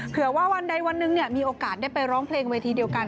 เผื่อว่าวันใดวันหนึ่งมีโอกาสได้ไปร้องเพลงเวทีเดียวกัน